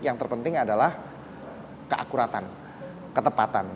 yang terpenting adalah keakuratan ketepatan